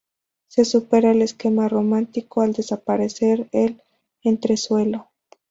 Se supera el esquema romántico al desaparecer el entresuelo.